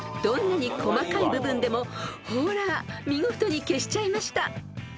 ［どんなに細かい部分でもほら見事に消しちゃいました］